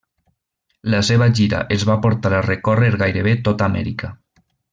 La seva gira els va portar a recórrer gairebé tota Amèrica.